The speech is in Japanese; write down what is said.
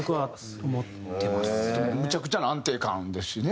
むちゃくちゃな安定感ですしね。